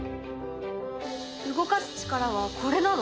動かす力はこれなの？